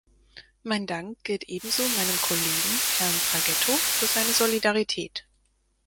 Mein Dank gilt ebenso meinem Kollegen, Herrn Braghetto, für seine Solidarität.